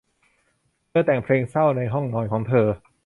เธอแต่งเพลงเศร้าในห้องนอนของเธอ